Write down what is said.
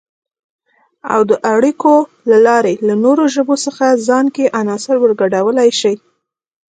او د اړیکو له لارې له نورو ژبو څخه ځان کې عناصر ورګډولای شي